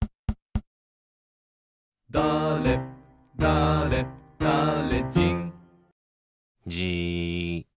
「だれだれだれじん」じーっ。